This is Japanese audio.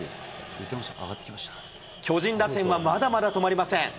巨人打線はまだまだ止まりません。